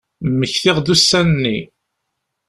Mmektiɣ-d ussan-nni.